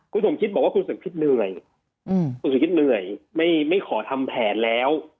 คุณสมคิตบอกว่าคุณสมคิตเหนื่อยไม่ขอทำแผนแล้ว